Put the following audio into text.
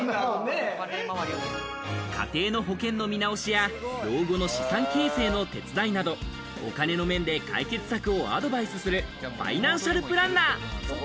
家庭の保険の見直しや、老後の資産形成の手伝いなど、お金の面で解決策をアドバイスするファイナンシャルプランナー。